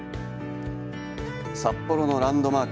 札幌のランドマーク